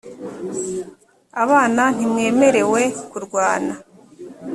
abana ntimwemerewe kurwana.